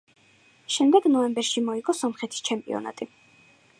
შემდეგ, ნოემბერში, მოიგო სომხეთის ჩემპიონატი.